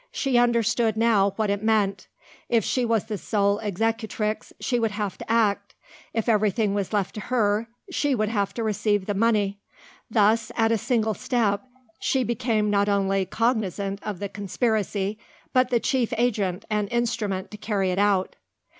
She understood, now, what it meant. If she was the sole executrix she would have to act. If everything was left to her she would have to receive the money. Thus, at a single step, she became not only cognisant of the conspiracy, but the chief agent and instrument to carry it out.